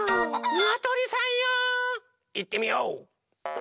にわとりさんよ。いってみよう！